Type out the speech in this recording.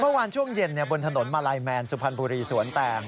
เมื่อวานช่วงเย็นบนถนนมาลัยแมนสุพรรณบุรีสวนแตง